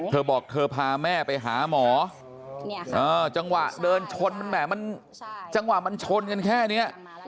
เธอบอกเธอพาแม่ไปหาหมอจังหวะเดินชนมันแหมมันจังหวะมันชนกันแค่นี้